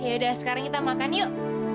yaudah sekarang kita makan yuk